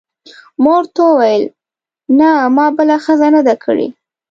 ما ورته وویل: نه، ما بله ښځه نه ده کړې.